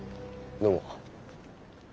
どうも。